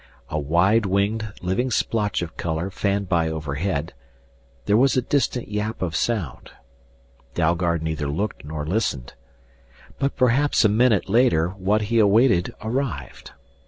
A wide winged living splotch of color fanned by overhead; there was a distant yap of sound. Dalgard neither looked nor listened. But perhaps a minute later what he awaited arrived.